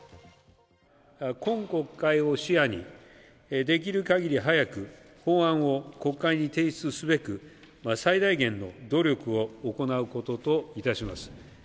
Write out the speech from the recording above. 今国会を視野に、できるかぎり早く、法案を国会に提出すべく、最大限の努力を行うことといたします。